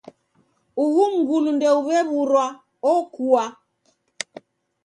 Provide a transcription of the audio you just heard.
Uhu mngulu ndeuw'e w'urwa okua.